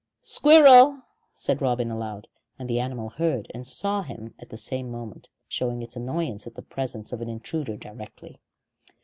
"Squirrel!" said Robin aloud, and the animal heard and saw him at the same moment, showing its annoyance at the presence of an intruder directly.